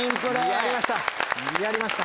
やりました！